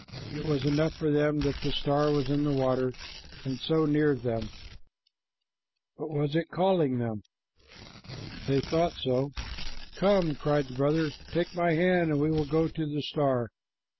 It was enough for them that the star was in the water and so near them. But was it calling them? They thought so. "Come," cried the brother, "take my hand, and we will go to the star."